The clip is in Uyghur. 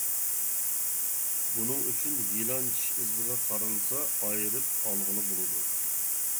بۇنىڭ ئۈچۈن يىلان چىش ئىزىغا قارالسا ئايرىپ ئالغىلى بولىدۇ.